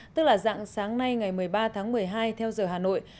tức là dạng sáng nay ngày một mươi ba tháng một mươi hai theo giờ hà nội